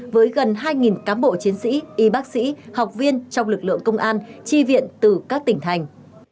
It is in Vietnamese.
với gần hai cán bộ chiến sĩ y bác sĩ học viên trong lực lượng công an tri viện từ các tỉnh thành